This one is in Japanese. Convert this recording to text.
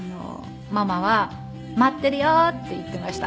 ママは「待っているよ」って言っていました。